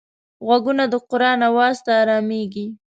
غوږونه د قرآن آواز ته ارامېږي